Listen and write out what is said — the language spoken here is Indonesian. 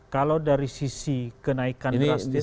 kalau dari sisi kenaikan drastis